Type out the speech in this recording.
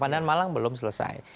pandaan malang belum selesai